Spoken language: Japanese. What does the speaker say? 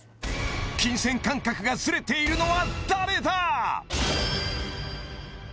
金銭感覚がズレているのは誰だ？